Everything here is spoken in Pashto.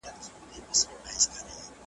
د موخي درلودل زده کوونکي ته لوری ورکوي.